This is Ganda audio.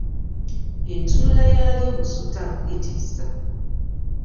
Entunula yalyo musota litiisa .